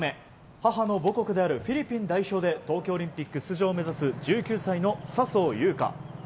母の母国であるフィリピン代表で東京オリンピック出場を目指す１９歳の笹生優花。